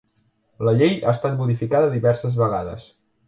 La Llei ha estat modificada diverses vegades.